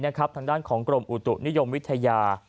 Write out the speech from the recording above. ทางด้านของกรมอุตุนิยมวิทยา